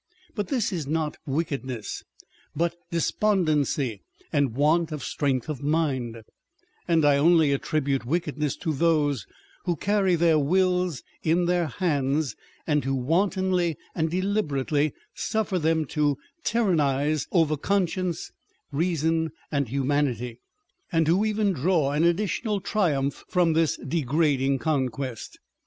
But this is not wickedness, but despondency and want of strength of mind : and I only attribute wickedness to those who carry their wills in their hands, and who wantonly and deliberately suffer them to tyrannise over conscience, reason, and humanity, and who even draw an additional triumph from this degrading conquest.